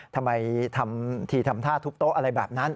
ทำไมทำทีทำท่าทุบโต๊ะอะไรแบบนั้น